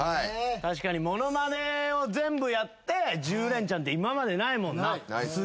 確かに物まねを全部やって１０レンチャンって今までないもんな。